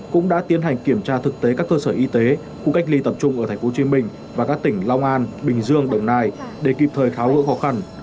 cũng đã tiến hành kiểm tra thực tế các cơ sở y tế khu cách ly tập trung ở tp hcm và các tỉnh long an bình dương đồng nai để kịp thời tháo gỡ khó khăn